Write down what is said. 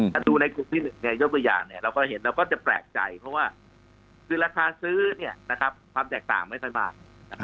ถ้าดูในกลุ่มที่หนึ่งเนี่ยยกว่าอย่างเนี่ยเราก็เห็นเราก็จะแปลกใจเพราะว่าคือราคาซื้อเนี่ยนะครับความแตกต่างไม่ใช่มาก